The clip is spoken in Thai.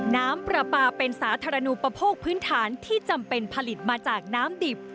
น้ำปลาปลาเป็นสาธารณูประโภคพื้นฐานที่จำเป็นผลิตมาจากน้ำดิบ